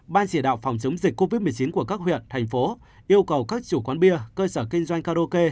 ban chỉ đạo phòng chống dịch covid một mươi chín của các huyện thành phố yêu cầu các chủ quán bia cơ sở kinh doanh karaoke